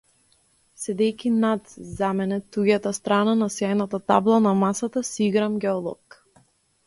Седејќи над за мене туѓата страна на сјајната табла на масата си играм геолог.